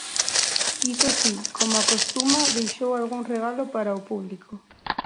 Iso si, como acostuma deixou algún regalo para o público.